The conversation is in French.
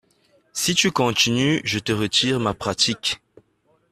Si tu continues, je te retire ma pratique !